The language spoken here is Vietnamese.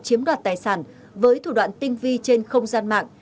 chiếm đoạt tài sản với thủ đoạn tinh vi trên không gian mạng